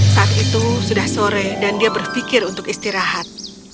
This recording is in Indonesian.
saat itu sudah sore dan dia berpikir untuk istirahat